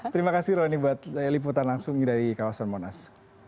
terima kasih roni buat liputan langsung dari kawasan monas